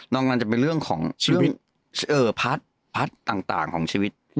นอกนั้นจะเป็นเรื่องของพาร์ทต่างของชีวิต